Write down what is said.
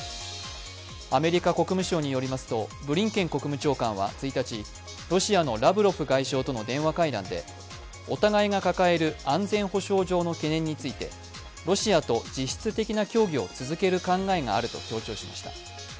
アメリカ国務省によりますとブリンケン国務長官は１日、ロシアのラブロフ外相との電話会談で、お互いが抱える安全保障上の懸念についてロシアと実質的な協議を続ける考えがあると強調しました。